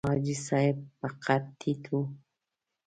حاجي صاحب په قد ټیټ و.